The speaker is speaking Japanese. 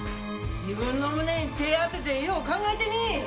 自分の胸に手ぇ当ててよう考えてみい！